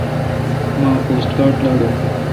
مہ اک پوسٹ کارڈ لاڈون۔